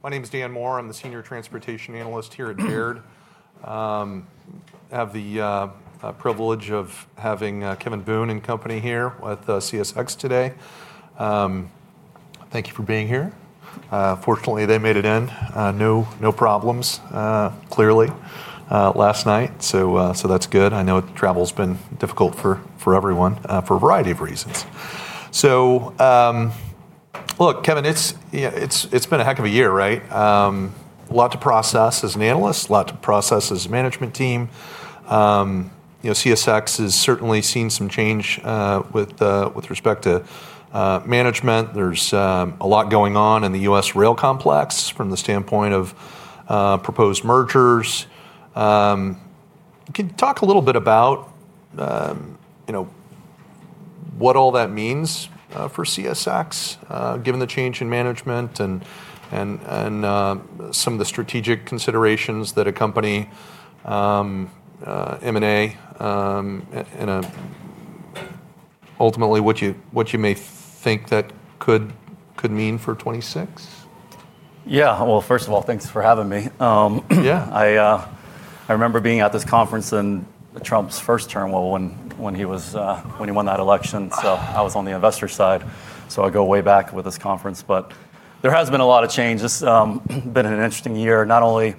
My name is Dan Moore. I'm the Senior Transportation Analyst here at Baird. I have the privilege of having Kevin Boone and company here with CSX today. Thank you for being here. Fortunately, they made it in. No problems, clearly, last night. That's good. I know travel's been difficult for everyone for a variety of reasons. Look, Kevin, it's been a heck of a year, right? A lot to process as an analyst, a lot to process as a management team. CSX has certainly seen some change with respect to management. There's a lot going on in the U.S. rail complex from the standpoint of proposed mergers. Can you talk a little bit about what all that means for CSX, given the change in management and some of the strategic considerations that accompany M&A and ultimately what you may think that could mean for 2026? Yeah. First of all, thanks for having me. I remember being at this conference in Trump's first term when he won that election. I was on the investor side. I go way back with this conference. There has been a lot of change. It's been an interesting year, not only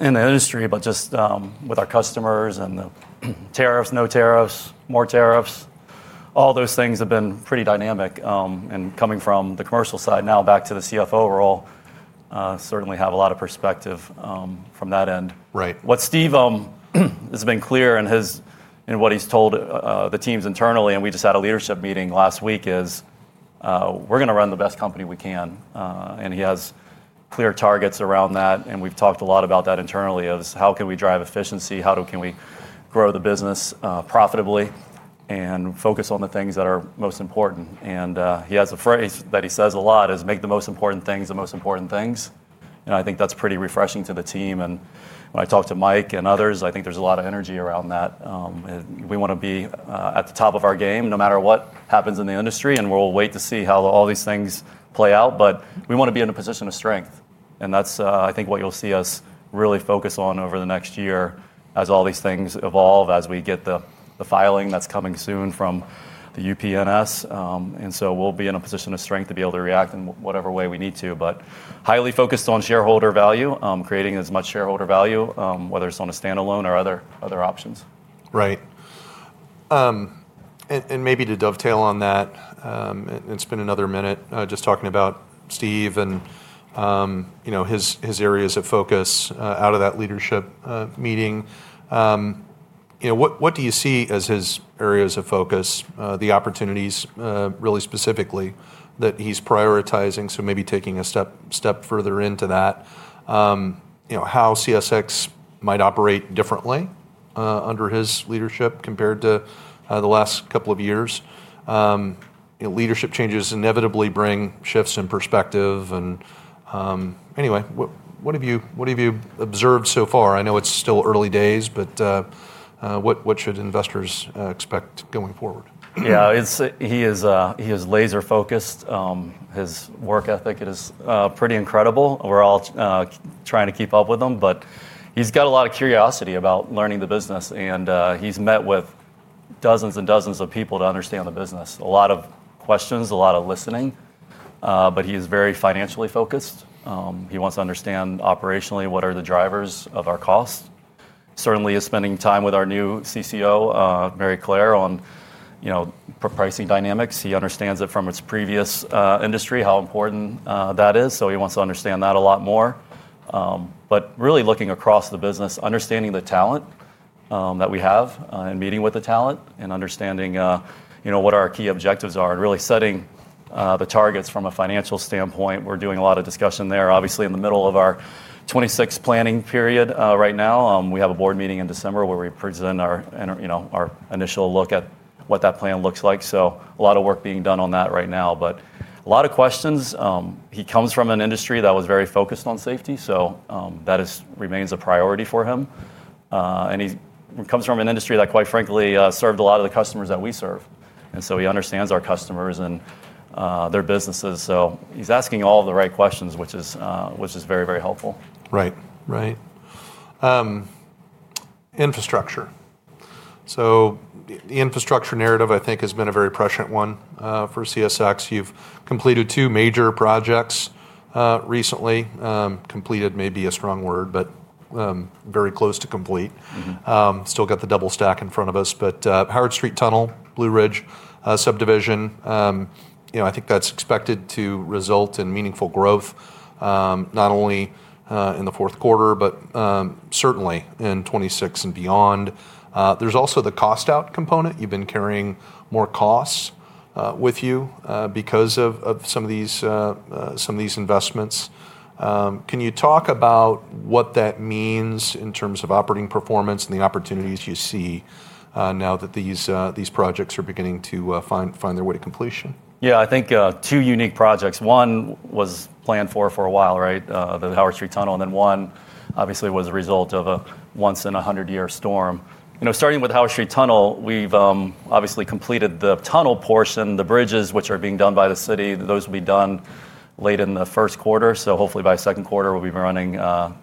in the industry, but just with our customers and the tariffs, no tariffs, more tariffs. All those things have been pretty dynamic. Coming from the commercial side now back to the CFO role, I certainly have a lot of perspective from that end. What Steve has been clear in what he's told the teams internally, and we just had a leadership meeting last week, is we're going to run the best company we can. He has clear targets around that. We have talked a lot about that internally, of how can we drive efficiency, how can we grow the business profitably, and focus on the things that are most important. He has a phrase that he says a lot, is make the most important things the most important things. I think that is pretty refreshing to the team. When I talk to Mike and others, I think there is a lot of energy around that. We want to be at the top of our game, no matter what happens in the industry. We will wait to see how all these things play out. We want to be in a position of strength. That is, I think, what you will see us really focus on over the next year as all these things evolve, as we get the filing that is coming soon from the UPNS. We will be in a position of strength to be able to react in whatever way we need to, but highly focused on shareholder value, creating as much shareholder value, whether it's on a standalone or other options. Right. Maybe to dovetail on that, and spend another minute just talking about Steve and his areas of focus out of that leadership meeting. What do you see as his areas of focus, the opportunities really specifically that he's prioritizing, so maybe taking a step further into that, how CSX might operate differently under his leadership compared to the last couple of years? Leadership changes inevitably bring shifts in perspective. Anyway, what have you observed so far? I know it's still early days, but what should investors expect going forward? Yeah. He is laser-focused. His work ethic is pretty incredible. We're all trying to keep up with him. He's got a lot of curiosity about learning the business. He's met with dozens and dozens of people to understand the business, a lot of questions, a lot of listening. He is very financially focused. He wants to understand operationally what are the drivers of our cost. Certainly, he is spending time with our new CCO, Mary Claire, on pricing dynamics. He understands it from his previous industry, how important that is. He wants to understand that a lot more. Really looking across the business, understanding the talent that we have and meeting with the talent and understanding what our key objectives are and really setting the targets from a financial standpoint. We're doing a lot of discussion there. Obviously, in the middle of our 2026 planning period right now, we have a board meeting in December where we present our initial look at what that plan looks like. A lot of work is being done on that right now. A lot of questions. He comes from an industry that was very focused on safety. That remains a priority for him. He comes from an industry that, quite frankly, served a lot of the customers that we serve. He understands our customers and their businesses. He is asking all of the right questions, which is very, very helpful. Right. Right. Infrastructure. The infrastructure narrative, I think, has been a very prescient one for CSX. You've completed two major projects recently. Completed may be a strong word, but very close to complete. Still got the double stack in front of us. Howard Street Tunnel, Blue Ridge Subdivision, I think that's expected to result in meaningful growth, not only in the fourth quarter, but certainly in 2026 and beyond. There's also the cost-out component. You've been carrying more costs with you because of some of these investments. Can you talk about what that means in terms of operating performance and the opportunities you see now that these projects are beginning to find their way to completion? Yeah. I think two unique projects. One was planned for a while, right, the Howard Street Tunnel. And then one, obviously, was a result of a once-in-a-100-year storm. Starting with Howard Street Tunnel, we've obviously completed the tunnel portion, the bridges, which are being done by the city. Those will be done late in the first quarter. Hopefully, by second quarter, we'll be running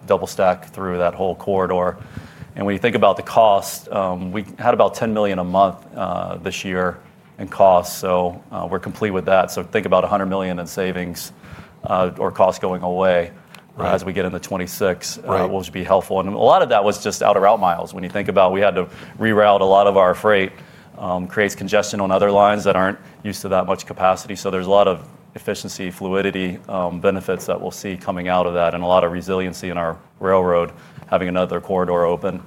double stack through that whole corridor. When you think about the cost, we had about $10 million a month this year in cost. We're complete with that. Think about $100 million in savings or cost going away as we get into 2026, which would be helpful. A lot of that was just out-of-route miles. When you think about we had to reroute a lot of our freight, creates congestion on other lines that aren't used to that much capacity. There's a lot of efficiency, fluidity benefits that we'll see coming out of that, and a lot of resiliency in our railroad having another corridor open.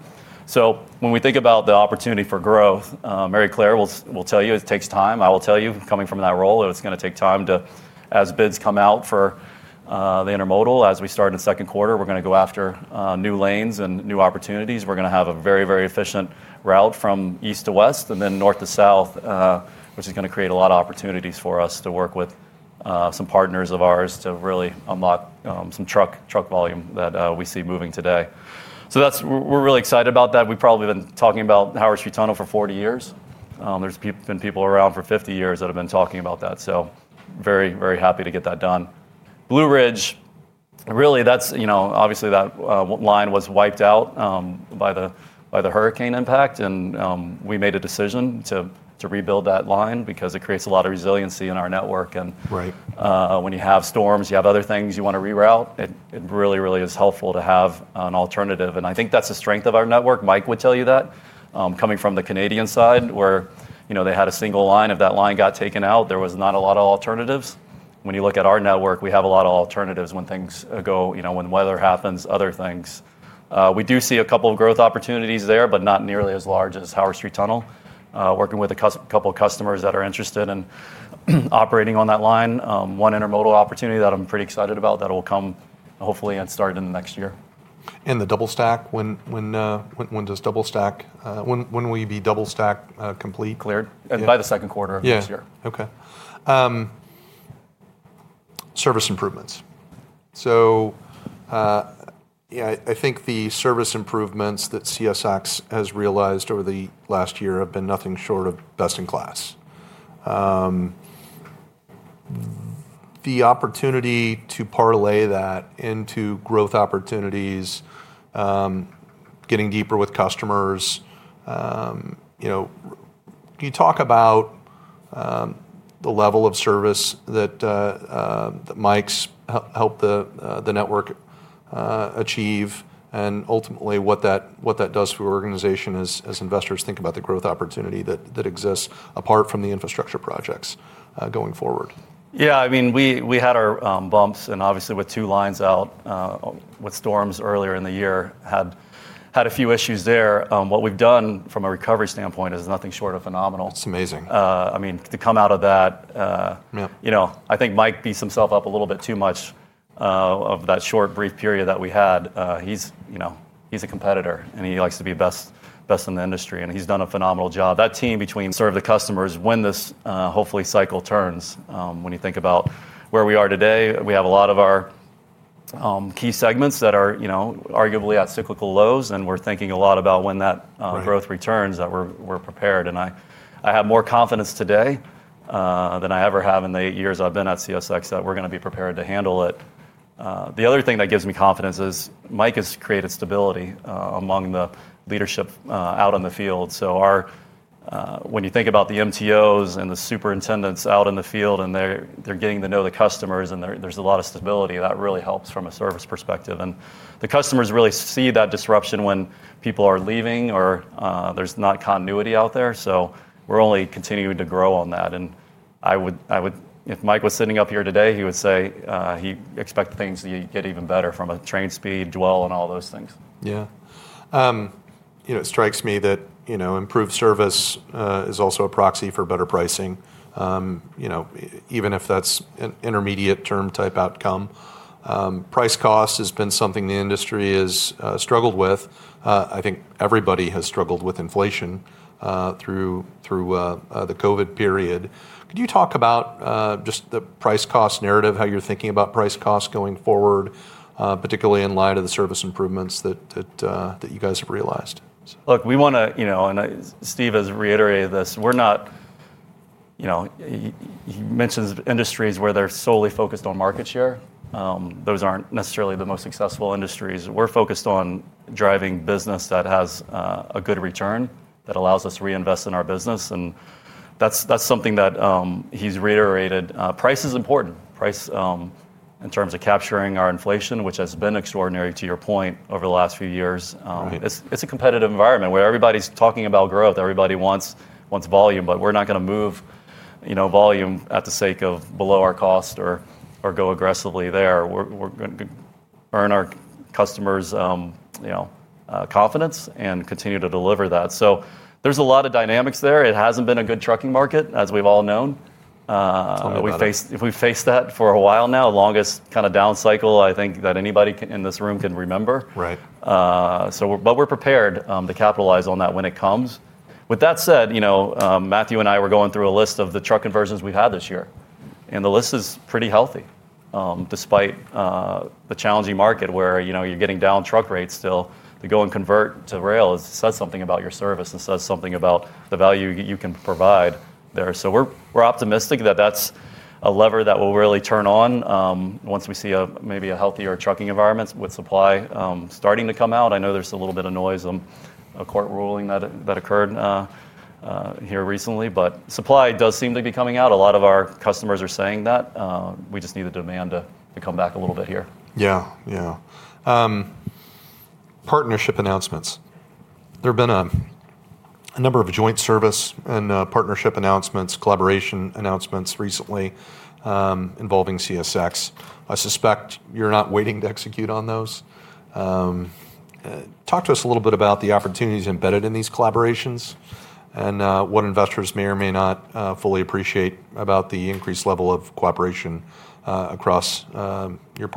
When we think about the opportunity for growth, Mary Claire will tell you it takes time. I will tell you, coming from that role, it's going to take time to, as bids come out for the intermodal, as we start in second quarter, we're going to go after new lanes and new opportunities. We're going to have a very, very efficient route from east to west and then north to south, which is going to create a lot of opportunities for us to work with some partners of ours to really unlock some truck volume that we see moving today. We're really excited about that. We've probably been talking about Howard Street Tunnel for 40 years. have been people around for 50 years that have been talking about that. Very, very happy to get that done. Blue Ridge, really, obviously, that line was wiped out by the hurricane impact. We made a decision to rebuild that line because it creates a lot of resiliency in our network. When you have storms, you have other things you want to reroute, it really, really is helpful to have an alternative. I think that's the strength of our network. Mike would tell you that. Coming from the Canadian side, where they had a single line, if that line got taken out, there were not a lot of alternatives. When you look at our network, we have a lot of alternatives when things go, when weather happens, other things. We do see a couple of growth opportunities there, but not nearly as large as Howard Street Tunnel. Working with a couple of customers that are interested in operating on that line, one intermodal opportunity that I'm pretty excited about that will come hopefully and start in the next year. The double stack, when does double stack, when will you be double stack complete? Cleared. By the second quarter of next year. Yeah. Okay. Service improvements. I think the service improvements that CSX has realized over the last year have been nothing short of best in class. The opportunity to parlay that into growth opportunities, getting deeper with customers. Can you talk about the level of service that Mike's helped the network achieve and ultimately what that does for your organization as investors think about the growth opportunity that exists apart from the infrastructure projects going forward? Yeah. I mean, we had our bumps. Obviously, with two lines out with storms earlier in the year, had a few issues there. What we've done from a recovery standpoint is nothing short of phenomenal. It's amazing. I mean, to come out of that, I think Mike beats himself up a little bit too much of that short brief period that we had. He's a competitor, and he likes to be best in the industry. He's done a phenomenal job. That team between. Serve the customers when this hopefully cycle turns. When you think about where we are today, we have a lot of our key segments that are arguably at cyclical lows. We're thinking a lot about when that growth returns that we're prepared. I have more confidence today than I ever have in the eight years I've been at CSX that we're going to be prepared to handle it. The other thing that gives me confidence is Mike has created stability among the leadership out in the field. When you think about the MTOs and the superintendents out in the field and they're getting to know the customers and there's a lot of stability, that really helps from a service perspective. The customers really see that disruption when people are leaving or there's not continuity out there. We're only continuing to grow on that. If Mike was sitting up here today, he would say he expects things to get even better from a train speed, dwell, and all those things. Yeah. It strikes me that improved service is also a proxy for better pricing, even if that's an intermediate-term type outcome. Price cost has been something the industry has struggled with. I think everybody has struggled with inflation through the COVID period. Could you talk about just the price cost narrative, how you're thinking about price cost going forward, particularly in light of the service improvements that you guys have realized? Look, we want to, and Steve has reiterated this, we're not, he mentions industries where they're solely focused on market share. Those aren't necessarily the most successful industries. We're focused on driving business that has a good return that allows us to reinvest in our business. That's something that he's reiterated. Price is important. Price in terms of capturing our inflation, which has been extraordinary, to your point, over the last few years. It's a competitive environment where everybody's talking about growth. Everybody wants volume. We're not going to move volume at the sake of below our cost or go aggressively there. We're going to earn our customers' confidence and continue to deliver that. There's a lot of dynamics there. It hasn't been a good trucking market, as we've all known. We've faced that for a while now, the longest kind of down cycle, I think, that anybody in this room can remember. We are prepared to capitalize on that when it comes. With that said, Matthew and I were going through a list of the truck conversions we've had this year. The list is pretty healthy despite the challenging market where you're getting down truck rates still. To go and convert to rail says something about your service and says something about the value you can provide there. We are optimistic that that's a lever that will really turn on once we see maybe a healthier trucking environment with supply starting to come out. I know there's a little bit of noise on a court ruling that occurred here recently. Supply does seem to be coming out. A lot of our customers are saying that. We just need the demand to come back a little bit here. Yeah. Yeah. Partnership announcements. There have been a number of joint service and partnership announcements, collaboration announcements recently involving CSX. I suspect you're not waiting to execute on those. Talk to us a little bit about the opportunities embedded in these collaborations and what investors may or may not fully appreciate about the increased level of cooperation across your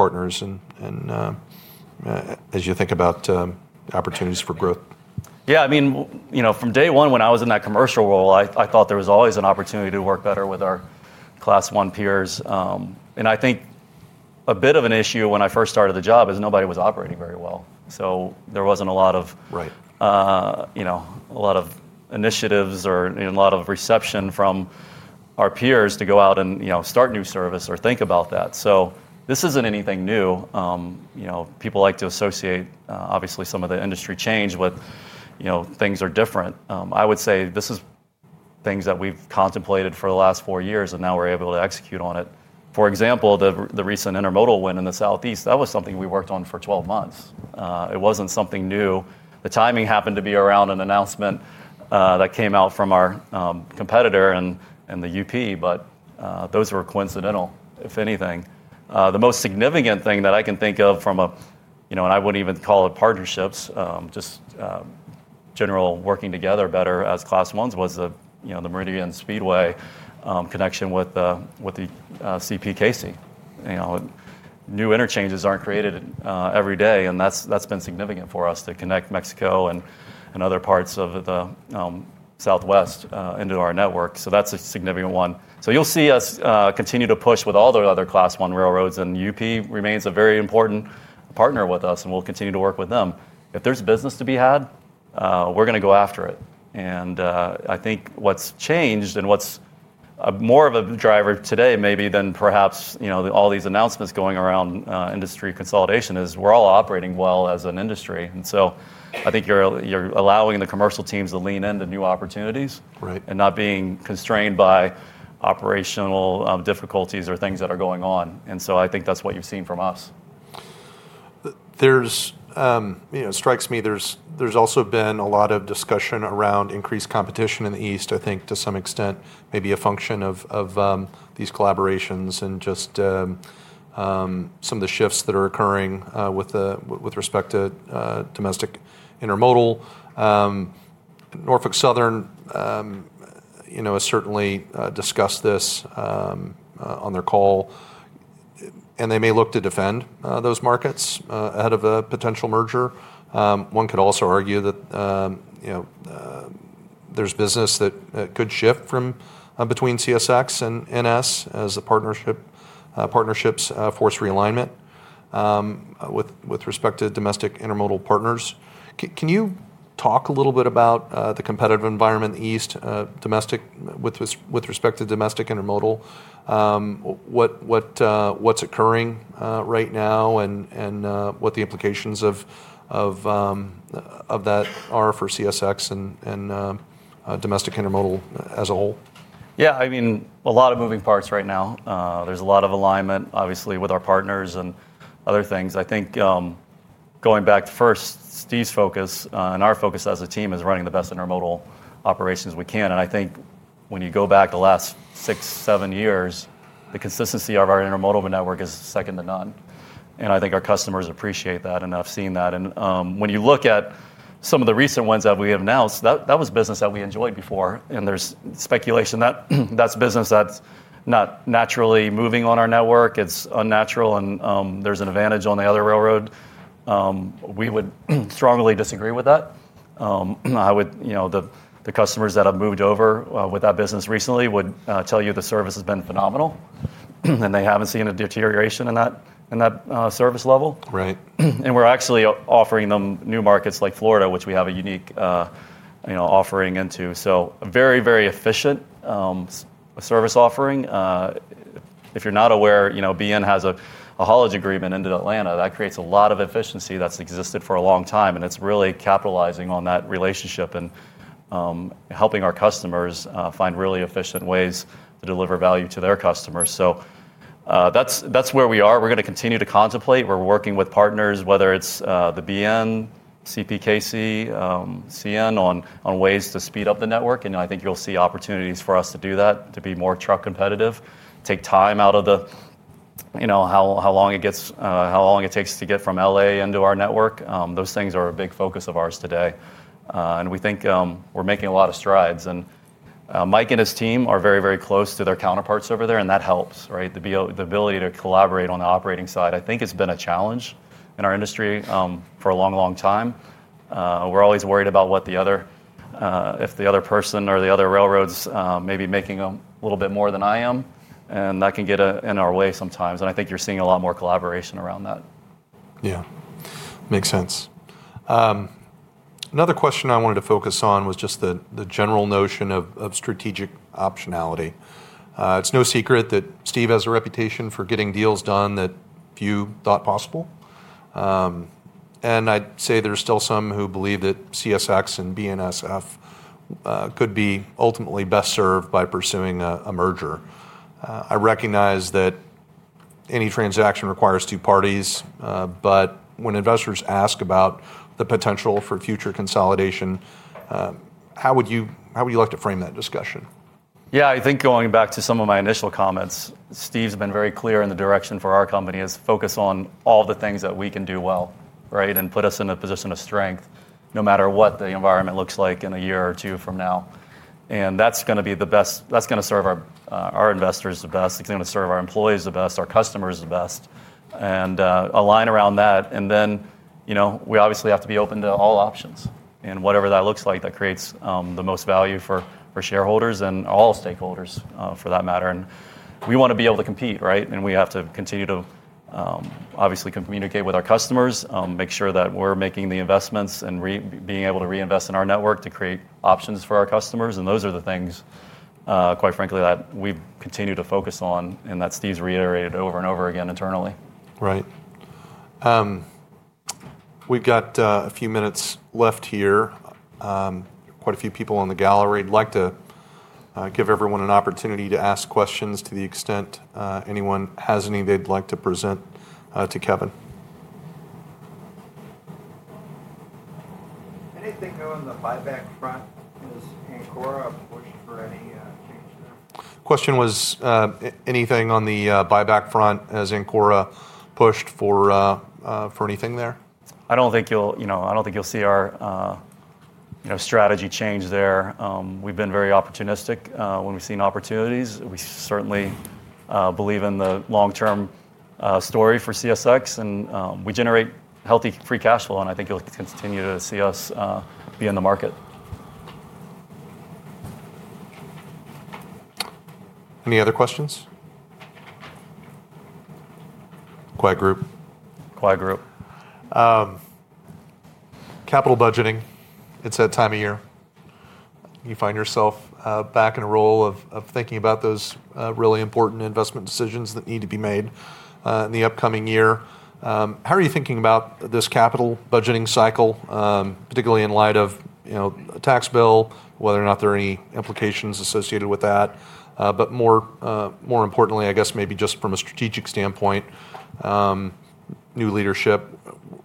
partners as you think about opportunities for growth. Yeah. I mean, from day one when I was in that commercial role, I thought there was always an opportunity to work better with our Class I peers. I think a bit of an issue when I first started the job is nobody was operating very well. There wasn't a lot of initiatives or a lot of reception from our peers to go out and start new service or think about that. This isn't anything new. People like to associate, obviously, some of the industry change with things are different. I would say this is things that we've contemplated for the last four years, and now we're able to execute on it. For example, the recent intermodal win in the Southeast, that was something we worked on for 12 months. It wasn't something new. The timing happened to be around an announcement that came out from our competitor and the UP, but those were coincidental, if anything. The most significant thing that I can think of from a, and I wouldn't even call it partnerships, just general working together better as class ones was the Meridian Speedway connection with the CPKC. New interchanges aren't created every day. That has been significant for us to connect Mexico and other parts of the southwest into our network. That is a significant one. You will see us continue to push with all the other class one railroads. UP remains a very important partner with us, and we will continue to work with them. If there is business to be had, we are going to go after it. I think what's changed and what's more of a driver today maybe than perhaps all these announcements going around industry consolidation is we're all operating well as an industry. I think you're allowing the commercial teams to lean into new opportunities and not being constrained by operational difficulties or things that are going on. I think that's what you've seen from us. There's, it strikes me, there's also been a lot of discussion around increased competition in the east, I think, to some extent, maybe a function of these collaborations and just some of the shifts that are occurring with respect to domestic intermodal. Norfolk Southern has certainly discussed this on their call. They may look to defend those markets ahead of a potential merger. One could also argue that there's business that could shift between CSX and NS as the partnerships force realignment with respect to domestic intermodal partners. Can you talk a little bit about the competitive environment in the east with respect to domestic intermodal? What's occurring right now and what the implications of that are for CSX and domestic intermodal as a whole? Yeah. I mean, a lot of moving parts right now. There's a lot of alignment, obviously, with our partners and other things. I think going back to first Steve's focus and our focus as a team is running the best intermodal operations we can. I think when you go back the last six, seven years, the consistency of our intermodal network is second to none. I think our customers appreciate that, and I've seen that. When you look at some of the recent ones that we have announced, that was business that we enjoyed before. There's speculation that that's business that's not naturally moving on our network. It's unnatural. There's an advantage on the other railroad. We would strongly disagree with that. The customers that have moved over with that business recently would tell you the service has been phenomenal. They have not seen a deterioration in that service level. We are actually offering them new markets like Florida, which we have a unique offering into. Very, very efficient service offering. If you are not aware, BNSF has a haulage agreement into Atlanta. That creates a lot of efficiency that has existed for a long time. It is really capitalizing on that relationship and helping our customers find really efficient ways to deliver value to their customers. That is where we are. We are going to continue to contemplate. We are working with partners, whether it is BNSF, CPKC, CN, on ways to speed up the network. I think you will see opportunities for us to do that, to be more truck competitive, take time out of how long it takes to get from Los Angeles into our network. Those things are a big focus of ours today. We think we're making a lot of strides. Mike and his team are very, very close to their counterparts over there. That helps, right? The ability to collaborate on the operating side. I think it's been a challenge in our industry for a long, long time. We're always worried about what the other, if the other person or the other railroads may be making a little bit more than I am. That can get in our way sometimes. I think you're seeing a lot more collaboration around that. Yeah. Makes sense. Another question I wanted to focus on was just the general notion of strategic optionality. It's no secret that Steve has a reputation for getting deals done that few thought possible. I'd say there's still some who believe that CSX and BNSF could be ultimately best served by pursuing a merger. I recognize that any transaction requires two parties. When investors ask about the potential for future consolidation, how would you like to frame that discussion? Yeah. I think going back to some of my initial comments, Steve's been very clear in the direction for our company is focus on all the things that we can do well, right, and put us in a position of strength no matter what the environment looks like in a year or two from now. That is going to be the best. That is going to serve our investors the best. It is going to serve our employees the best, our customers the best, and align around that. We obviously have to be open to all options. Whatever that looks like, that creates the most value for shareholders and all stakeholders for that matter. We want to be able to compete, right? We have to continue to obviously communicate with our customers, make sure that we're making the investments and being able to reinvest in our network to create options for our customers. Those are the things, quite frankly, that we continue to focus on. That's what Steve's reiterated over and over again internally. Right. We've got a few minutes left here. Quite a few people in the gallery would like to give everyone an opportunity to ask questions to the extent anyone has any they'd like to present to Kevin. Anything on the buyback front? Has Angora pushed for any change there? Question was, anything on the buyback front, has Angora pushed for anything there? I don't think you'll see our strategy change there. We've been very opportunistic when we've seen opportunities. We certainly believe in the long-term story for CSX. We generate healthy free cash flow. I think you'll continue to see us be in the market. Any other questions? Quiet group. Quiet group. Capital budgeting. It's that time of year. You find yourself back in a role of thinking about those really important investment decisions that need to be made in the upcoming year. How are you thinking about this capital budgeting cycle, particularly in light of a tax bill, whether or not there are any implications associated with that? More importantly, I guess, maybe just from a strategic standpoint, new leadership.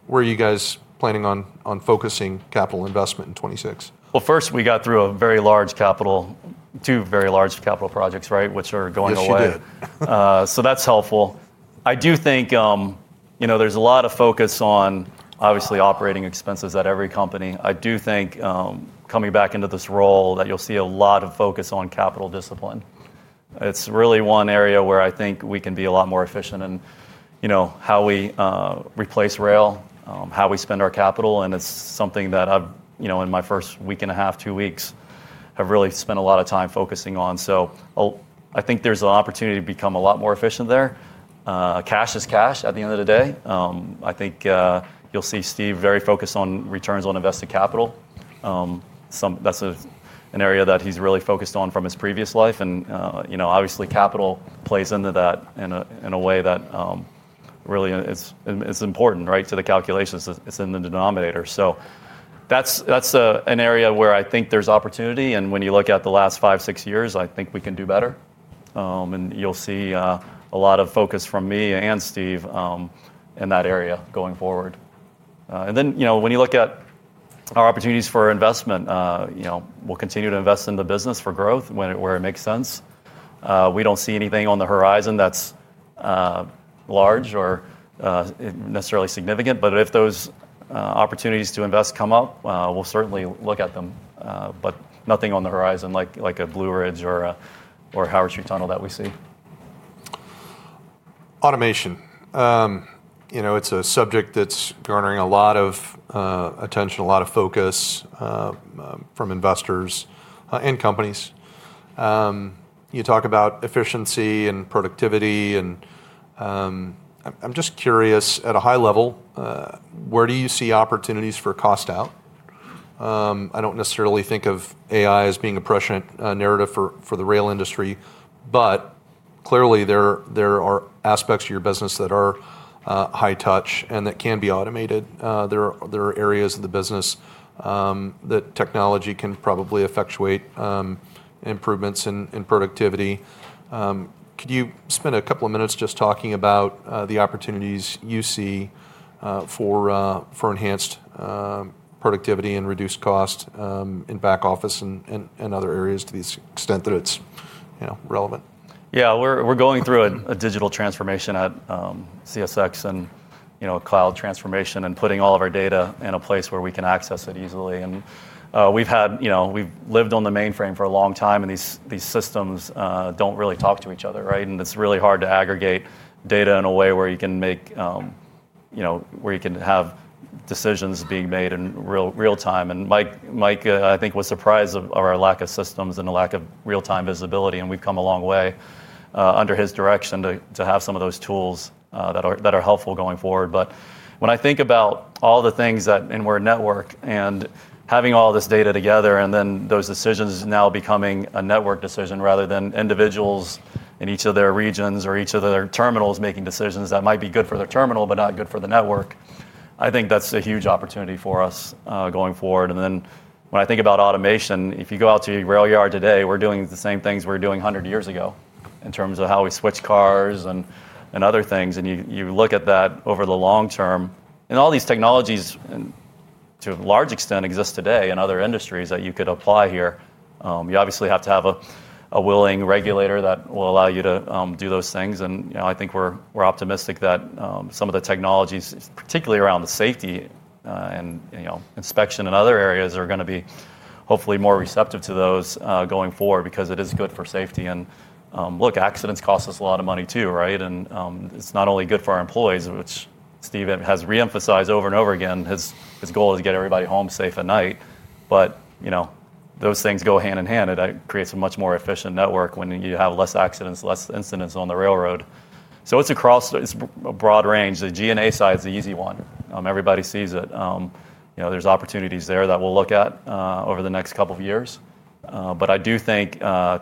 Where are you guys planning on focusing capital investment in 2026? First, we got through a very large capital, two very large capital projects, right, which are going away. Yes, you did. That's helpful. I do think there's a lot of focus on, obviously, operating expenses at every company. I do think coming back into this role that you'll see a lot of focus on capital discipline. It's really one area where I think we can be a lot more efficient in how we replace rail, how we spend our capital. It's something that I've, in my first week and a half, two weeks, really spent a lot of time focusing on. I think there's an opportunity to become a lot more efficient there. Cash is cash at the end of the day. I think you'll see Steve very focused on returns on invested capital. That's an area that he's really focused on from his previous life. Obviously, capital plays into that in a way that really is important, right, to the calculations. It's in the denominator. That's an area where I think there's opportunity. When you look at the last five, six years, I think we can do better. You'll see a lot of focus from me and Steve in that area going forward. When you look at our opportunities for investment, we'll continue to invest in the business for growth where it makes sense. We don't see anything on the horizon that's large or necessarily significant. If those opportunities to invest come up, we'll certainly look at them. Nothing on the horizon like a Blue Ridge or a Howard Street Tunnel that we see. Automation. It's a subject that's garnering a lot of attention, a lot of focus from investors and companies. You talk about efficiency and productivity. I'm just curious, at a high level, where do you see opportunities for cost out? I don't necessarily think of AI as being a prescient narrative for the rail industry. Clearly, there are aspects of your business that are high touch and that can be automated. There are areas of the business that technology can probably effectuate improvements in productivity. Could you spend a couple of minutes just talking about the opportunities you see for enhanced productivity and reduced cost in back office and other areas to the extent that it's relevant? Yeah. We're going through a digital transformation at CSX and a cloud transformation and putting all of our data in a place where we can access it easily. We've lived on the mainframe for a long time. These systems do not really talk to each other, right? It's really hard to aggregate data in a way where you can have decisions being made in real time. Mike, I think, was surprised of our lack of systems and the lack of real-time visibility. We've come a long way under his direction to have some of those tools that are helpful going forward. When I think about all the things that in where network and having all this data together and then those decisions now becoming a network decision rather than individuals in each of their regions or each of their terminals making decisions that might be good for their terminal but not good for the network, I think that's a huge opportunity for us going forward. When I think about automation, if you go out to your rail yard today, we're doing the same things we were doing 100 years ago in terms of how we switch cars and other things. You look at that over the long term. All these technologies, to a large extent, exist today in other industries that you could apply here. You obviously have to have a willing regulator that will allow you to do those things. I think we're optimistic that some of the technologies, particularly around the safety and inspection and other areas, are going to be hopefully more receptive to those going forward because it is good for safety. Accidents cost us a lot of money too, right? It's not only good for our employees, which Steve has reemphasized over and over again, his goal is to get everybody home safe at night. Those things go hand in hand. It creates a much more efficient network when you have fewer accidents, fewer incidents on the railroad. It's across a broad range. The GNA side is the easy one. Everybody sees it. There are opportunities there that we'll look at over the next couple of years. I do think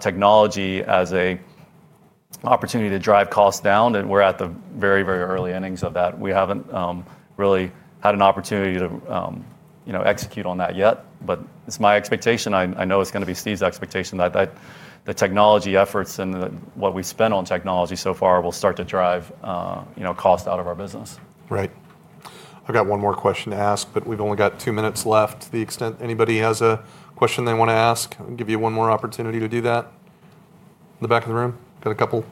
technology is an opportunity to drive costs down. We're at the very, very early innings of that. We haven't really had an opportunity to execute on that yet. It is my expectation. I know it is going to be Steve's expectation that the technology efforts and what we spend on technology so far will start to drive cost out of our business. Right. I've got one more question to ask, but we've only got two minutes left. To the extent anybody has a question they want to ask, I'll give you one more opportunity to do that. In the back of the room, got a couple?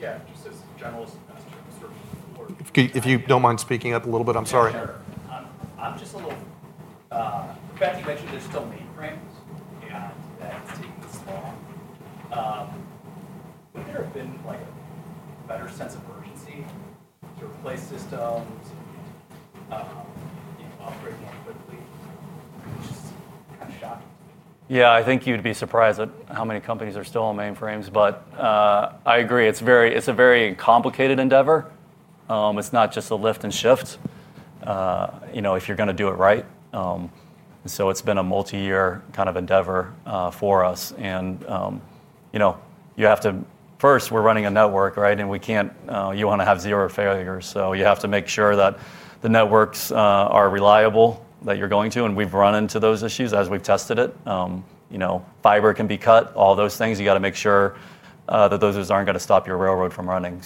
Yeah. Just as a general question. If you don't mind speaking up a little bit. I'm sorry. Sure. I'm just a little, Beth, you mentioned there's still mainframes and that it's taking this long. Would there have been a better sense of urgency to replace systems, upgrade more quickly? It's just kind of shocking to me. Yeah. I think you'd be surprised at how many companies are still on mainframes. I agree. It's a very complicated endeavor. It's not just a lift and shift if you're going to do it right. It's been a multi-year kind of endeavor for us. You have to first, we're running a network, right? You want to have zero failures. You have to make sure that the networks are reliable that you're going to. We've run into those issues as we've tested it. Fiber can be cut, all those things. You got to make sure that those aren't going to stop your railroad from running.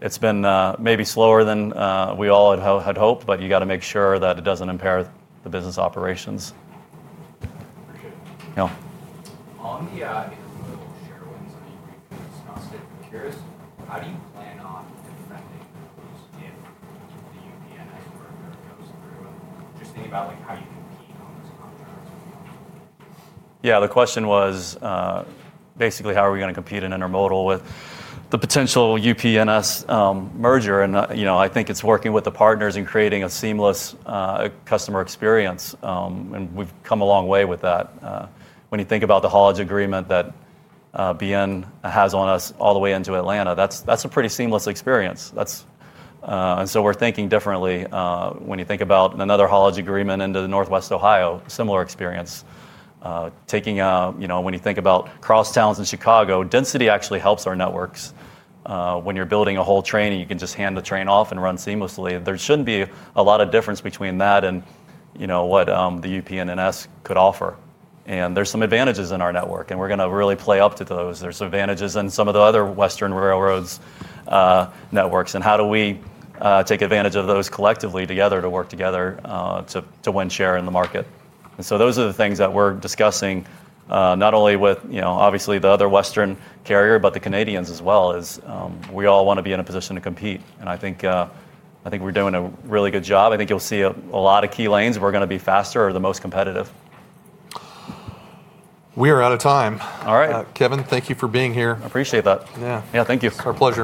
It's been maybe slower than we all had hoped. You got to make sure that it doesn't impair the business operations. Appreciate it. Yeah. On the share wins and increases in non-state materials, how do you plan on defending those if the UPNS merger goes through? Just thinking about how you compete on those contracts. Yeah. The question was basically how are we going to compete in intermodal with the potential UPNS merger? I think it's working with the partners and creating a seamless customer experience. We've come a long way with that. When you think about the haulage agreement that BNSF has on us all the way into Atlanta, that's a pretty seamless experience. We're thinking differently. When you think about another haulage agreement into northwest Ohio, similar experience. When you think about cross towns in Chicago, density actually helps our networks. When you're building a whole train, you can just hand the train off and run seamlessly. There shouldn't be a lot of difference between that and what the UPNS could offer. There are some advantages in our network. We're going to really play up to those. are advantages in some of the other Western railroads' networks. How do we take advantage of those collectively together to work together to win share in the market? Those are the things that we are discussing not only with, obviously, the other Western carrier, but the Canadians as well. We all want to be in a position to compete. I think we are doing a really good job. I think you will see a lot of key lanes where we are going to be faster or the most competitive. We are out of time. All right. Kevin, thank you for being here. Appreciate that. Yeah. Yeah. Thank you. It's our pleasure.